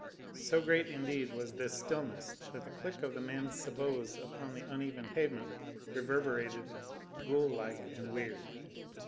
So great, indeed, was this stillness that the click of the man's sabots upon the uneven pavement reverberated, ghoul like and weird.